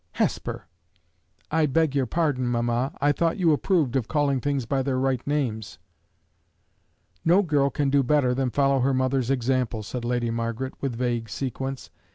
"Hesper!" "I beg your pardon, mamma. I thought you approved of calling things by their right names!" "No girl can do better than follow her mother's example," said Lady Margaret, with vague sequence.